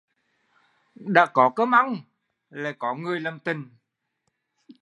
Đã có cơm ăn lại có người làm tình